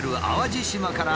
淡路島。